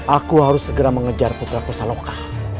aku harus segera mengejar putra pesaloka